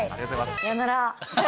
さようなら。